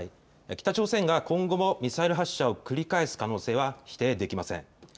北朝鮮が今後もミサイル発射を繰り返す可能性は否定できません。